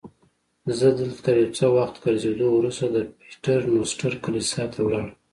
زه دلته تر یو څه وخت ګرځېدو وروسته د پیټر نوسټر کلیسا ته ولاړم.